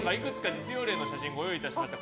実用例の写真をご用意しました。